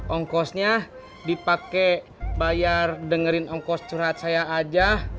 ongkosnya dipakai bayar dengerin ongkos curhat saya aja